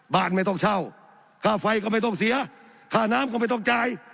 บ้านไม่ต้องเช่าค่าไฟก็ไม่ต้องเสียค่าน้ำก็ไม่ต้องจ่าย